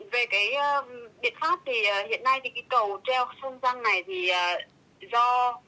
về cái biện pháp thì hiện nay thì cái cầu treo sông quang này thì do